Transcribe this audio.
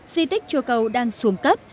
di tích chùa cầu đang xuống cấp